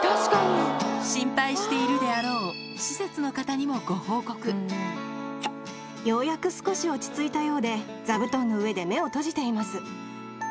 心配しているであろう施設のようやく少し落ち着いたようで、座布団の上で目を閉じています。